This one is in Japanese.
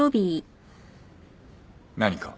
何か？